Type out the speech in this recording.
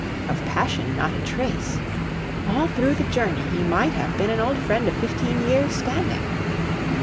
Of passion, not a trace. All through the journey he might have been an old friend of fifteen years' standing.